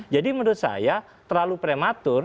jadi menurut saya terlalu prematur